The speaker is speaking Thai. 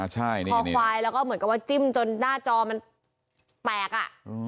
คอควายแล้วจิ้มจนจนหน้าจอมันแปลกอ่ะ